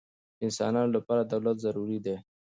د انسانانو له پاره دولت ضروري دئ.